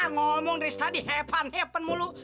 ngomong dari tadi hepen hepen mulu